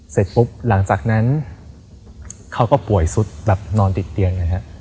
เสร็จปุ๊บหลังจากนั้นเขาก็ป่วยสุดแบบนอนติดเตียงนะฮะ